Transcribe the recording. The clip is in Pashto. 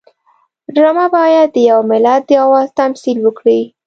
ډرامه باید د یو ملت د آواز تمثیل وکړي